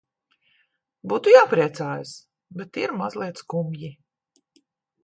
Būtu jāpriecājas, bet ir mazliet skumji.